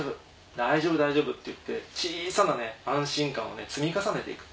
「大丈夫大丈夫」って小さな安心感を積み重ねて行く。